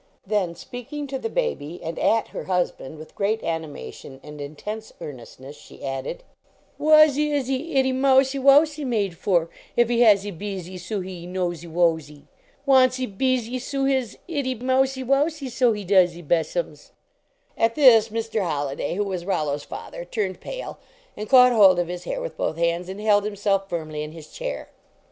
Then, speaking to the baby and at her husband with great animation and intense earnestness, she added :" Whassie is he ittie mousie wousie made for if he hassie beezie soo he nosie wosie ? Wansie beezie soo his ittie mousie wousie, so he doesie bessums ! At this Mr. Holliday, who was Rollo s father, turned pale and caught hold of his hair with both hands, and held himself firmly in his chair.